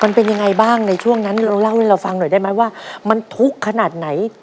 มันเป็นยังไงบ้างในช่วงนั้นเราเล่าให้เราฟังหน่อยได้ไหมว่ามันทุกข์ขนาดไหน